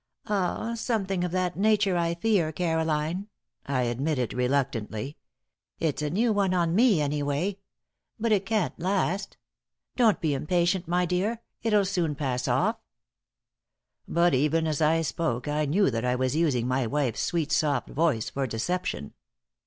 "Ah, something of that nature, I fear, Caroline," I admitted, reluctantly. "It's a new one on me, anyway. But it can't last. Don't be impatient, my dear. It'll soon pass off." But even as I spoke I knew that I was using my wife's sweet, soft voice for deception.